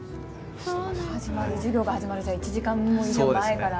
もう授業が始まるじゃあ１時間以上前から。